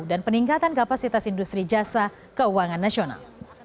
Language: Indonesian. dan peningkatan kapasitas industri jasa keuangan nasional